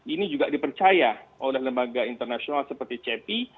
ini juga dipercaya oleh lembaga internasional seperti cepi